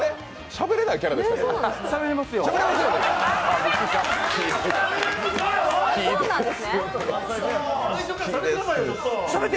しゃべれないキャラでしたっけ？